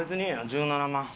１７万！